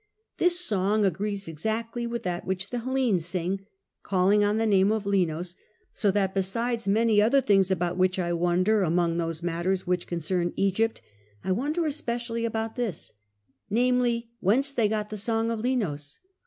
This song agrees exactly with that which the Hellenes sing calling on the name of Linos, so that besides many other things about which I wonder among those matters which concern Egypt, I wonder especially about this, namely whence they got the song of Linos.